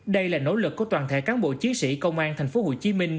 đây là nỗ lực của toàn thể cán bộ chiến sĩ công an tp hcm